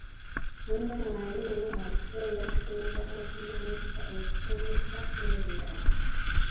Muno mwalimu okusendasenda, okumanyisa, okusomesa n’ebirala.